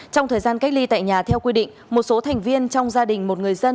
trong thời gian cách ly tại nhà theo quy định một số thành viên trong gia đình một người dân